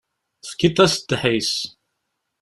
Tefkiḍ-as ddḥis.